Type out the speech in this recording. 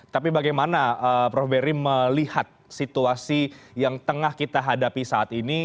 tapi bagaimana prof berry melihat situasi yang tengah kita hadapi saat ini